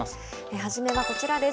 初めはこちらです。